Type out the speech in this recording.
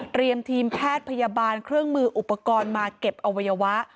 ทีมแพทย์พยาบาลเครื่องมืออุปกรณ์มาเก็บอวัยวะ